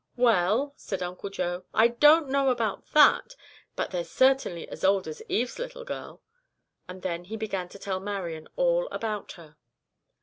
"Well," said Uncle Joe, "I don't know about that. But they're certainly as old as Eve's little girl," and then he began to tell Marian all about her.